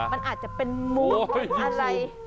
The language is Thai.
มันอาจจะเป็นมุมอะไร